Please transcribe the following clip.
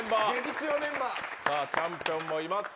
さあ、チャンピオンもいます。